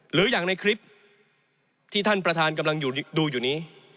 หรืออย่างในคลิปที่ท่านประธานกำลังดูอยู่นี้